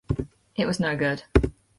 It was no good.